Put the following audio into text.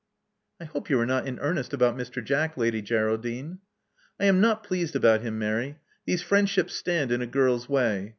I hope you are not in earnest about Mr. Jack, Lady Geraldine. ' I am not pleased about him, Mary. These friend ships stand in a girl's way.